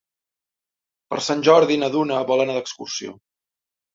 Per Sant Jordi na Duna vol anar d'excursió.